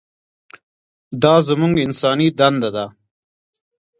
دا زموږ انساني دنده ده.